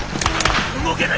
「動けない！」。